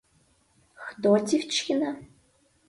Хто дивчина?